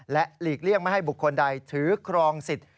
และหลีกเลี่ยงไม่ให้บุคคลใดถือครองสิทธิ์